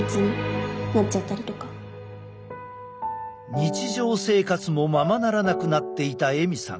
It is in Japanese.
日常生活もままならなくなっていたエミさん。